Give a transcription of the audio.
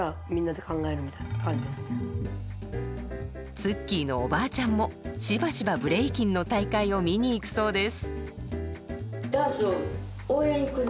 ＴＳＵＫＫＩのおばあちゃんもしばしばブレイキンの大会を見に行くそうです。